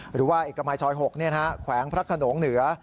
หรือว่าเอกมัยซอย๖แขวงพระขนงเหนือ